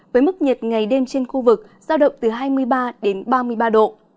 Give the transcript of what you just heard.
với mức nhiệt ngày đêm trên khu vực giao động từ hai mươi ba đến ba mươi ba độ